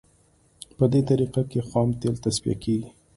په دې طریقه کې خام تیل تصفیه کیږي